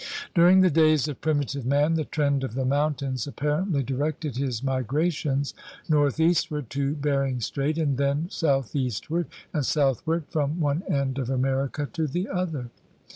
During the days of primitive man the trend of the mountains apparently directed his migra tions northeastward to Bering Strait and then southeastward and southward from one end of America to the other.